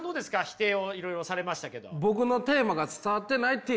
否定をいろいろされましたけど。